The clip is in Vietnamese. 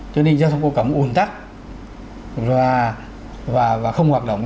cho nên giao thông công cộng ồn tắc và không hoạt động